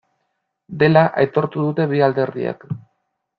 Dela aitortu dute bi alderdiek.